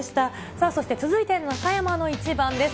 さあ、そして続いて、中山のイチバンです。